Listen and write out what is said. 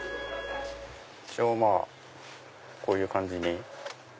一応こういう感じに。